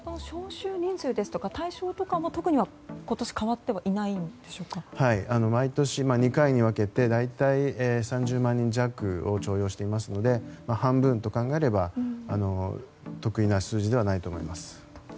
招集人数ですとか対象とか特には、今年変わってはいないんでしょうか？毎年２回に分けて大体３０万人弱を徴用していますので半分と考えれば特異な数字ではないと思います。